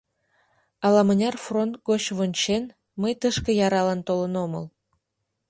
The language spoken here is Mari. Ала-мыняр фронт гоч вончен, мый тышке яралан толын омыл.